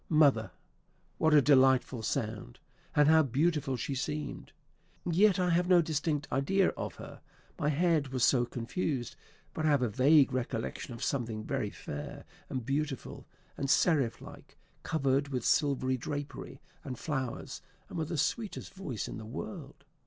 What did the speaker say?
Mother! What a delightful sound; and how beautiful she seemed! Yet I have no distinct idea of her, my head was so confused; but I have a vague recollection of something very fair, and beautiful, and seraph like, covered with silver drapery, and flowers, and with the sweetest voice in the world.